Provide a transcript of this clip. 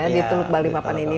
di teluk balikpapan ini